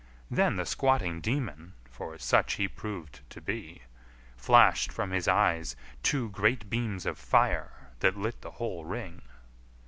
Then the squatting demon for such he proved to be flashed from his eyes two great beams of fire that lit the whole ring.